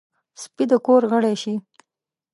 سپي د کور غړی شي.